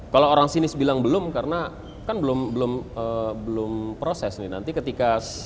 kalau orang sinis bilang belum karena kan belum proses nih nanti ketika